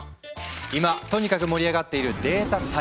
今とにかく盛り上がっているデータサイエンティスト。